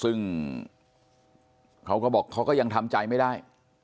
ซึ่งเขาก็บอกเขาก็ยังทำใจไม่ได้